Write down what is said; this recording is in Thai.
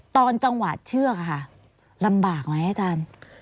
ตอนจังหวะเชือกค่ะลำบากไหมอาจารย์